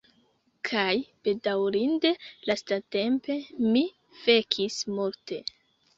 Kaj bedaŭrinde lastatempe, mi fekis multe.